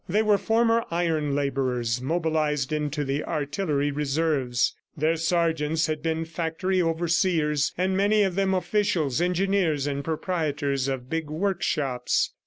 They were former iron laborers, mobilized into the artillery reserves. Their sergeants had been factory overseers, and many of them officials, engineers and proprietors of big workshops.